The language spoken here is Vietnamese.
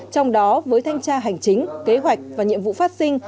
trong đó với thanh tra hành chính kế hoạch và nhiệm vụ phát sinh